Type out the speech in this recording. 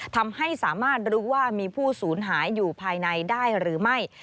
ทำให้สามารถรู้ว่ามีผู้สูญหายอยู่ภายในได้หรือไม่